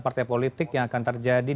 partai politik yang akan terjadi